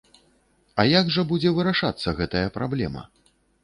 Як жа будзе вырашацца гэтая праблема?